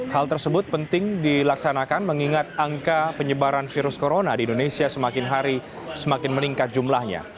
hal tersebut penting dilaksanakan mengingat angka penyebaran virus corona di indonesia semakin hari semakin meningkat jumlahnya